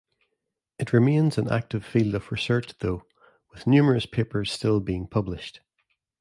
It remains an active field of research though, with numerous papers still being published.